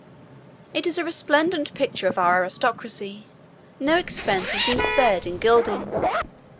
It is a resplendent picture of our aristocracy. No expense has been spared in gilding.